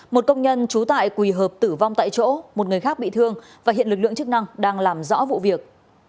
một công nhân trú tại quỳ hợp tử vong tại chỗ một người khác bị thương và hiện lực lượng chức năng đang làm rõ vụ việc